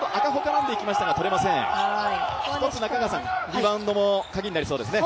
リバウンドもカギになりそうですね。